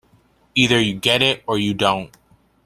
Either you get it or you don't.